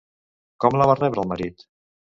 Com la va rebre el marit?